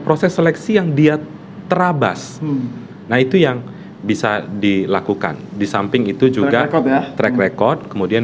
proses seleksi yang dia terabas nah itu yang bisa dilakukan di samping itu juga track record kemudian